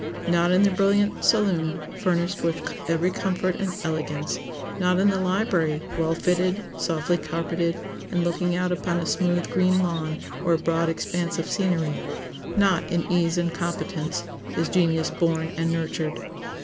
Not in the brilliant saloon, furnished with every comfort and elegance; not in the library, well fitted, softly carpeted, and looking out upon a smooth, green lawn or a broad expanse of scenery; not in ease and competence,—is genius born and nurtured.